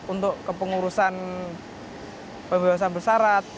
untuk kepengurusan pembayasan bersarat